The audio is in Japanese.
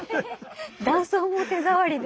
断層も手触りで？